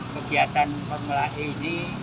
kegiatan formula e ini